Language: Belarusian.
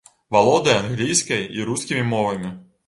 Валодае англійскай і рускімі мовамі.